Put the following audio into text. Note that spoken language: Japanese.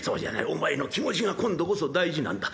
お前の気持ちが今度こそ大事なんだ。